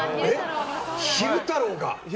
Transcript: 昼太郎が？